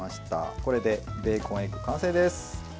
これでベーコンエッグ完成です。